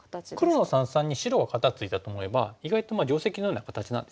黒の三々に白が肩ツイたと思えば意外と定石のような形なんですよね。